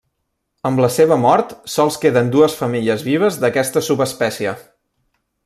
Amb la seva mort sols queden dues femelles vives d'aquesta subespècie.